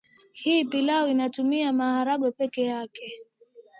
Hii pilau inatumia maharage peke yake